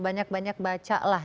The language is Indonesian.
banyak banyak baca lah